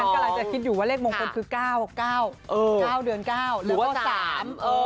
ดิฉันกำลังจะคิดอยู่ว่าเลขมงคลคือ๙เดือน๙หรือว่า๓